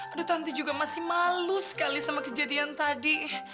aku nanti juga masih malu sekali sama kejadian tadi